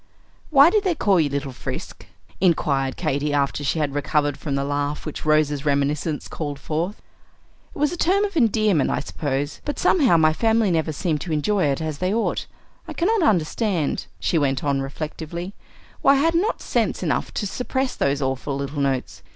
'" "Why did they call you Little Frisk?" inquired Katy, after she had recovered from the laugh which Rose's reminiscences called forth. "It was a term of endearment, I suppose; but somehow my family never seemed to enjoy it as they ought. I cannot understand," she went on reflectively, "why I had not sense enough to suppress those awful little notes.